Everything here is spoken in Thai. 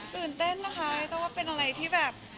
ตื่นเต้นนะคะแต่ว่าเป็นอะไรที่แบบ